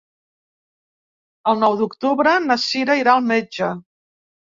El nou d'octubre na Cira irà al metge.